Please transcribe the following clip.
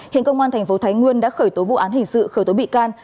hiện công an tp thái nguyên đã khởi tố vụ án hình sự khởi tố bị can